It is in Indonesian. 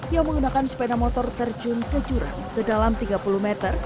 yang menggunakan sepeda motor terjun ke jurang sedalam tiga puluh meter